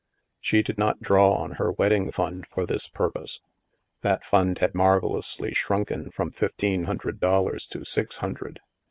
She did not draw on her wedding fund for this purpose. That fund had marvellously shrunken from fifteen hundred dollars to six hundred.